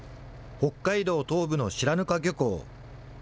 北海道東部の白糠漁港。